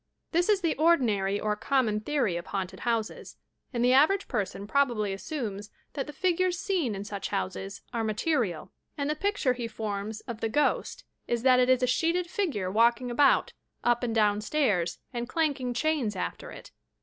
This is the ordinary or common theory of haunted houses, and the average person probably assumes that the figures seen in such houses are material, and the picture he forms of the ghost is that it is a sheeted figure walking about, up and downstairs, and clanking chains after it